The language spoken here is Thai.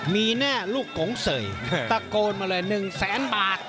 มีแน่ลูกกงเสยตะโกนมาเลย๑แสนบาท